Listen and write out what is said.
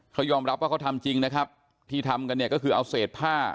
เขายอมรับว่าเขาทำจริงนะครับที่ทำกันเนี่ยก็คือเอาเศษผ้า